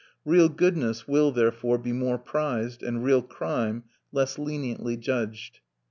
Real goodness will, therefore, be more prized, and real crime less leniently judged.